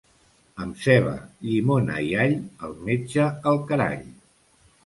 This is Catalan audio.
Amb ceba, llimona i all, el metge al carall.